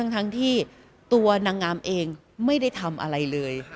ทั้งที่ตัวนางงามเองไม่ได้ทำอะไรเลย